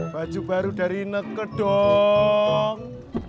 baju baru dari neke dong